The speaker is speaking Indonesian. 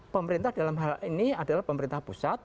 pemerintah dalam hal ini adalah pemerintah pusat